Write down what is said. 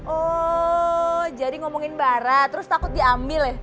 oh jadi ngomongin bara terus takut diambil ya